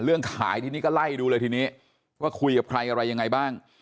เรื่องขายทีนี้ก็ไล่ดูเลยทีนี้ว่าคุยกับใครอะไรยังไงบ้าง